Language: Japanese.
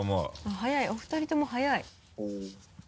速いお二人とも速い。